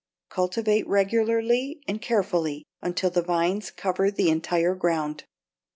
Cultivate regularly and carefully until the vines cover the entire ground.